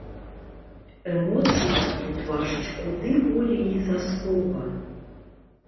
Эмоцыя тут важыць куды болей за слова.